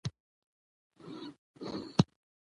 په کورنیو تولیداتو تکیه کول د اقتصاد ستنې کلکوي.